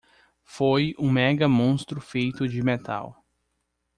Foi um mega monstro feito de metal.